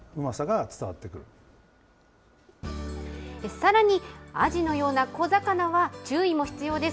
さらにアジのような小魚は、注意も必要です。